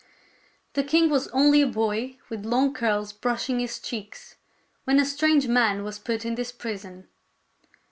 The king was only a boy with long curls brush ing his cheeks, when a strange man was put in this prison.